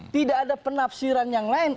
tidak ada penafsiran yang lain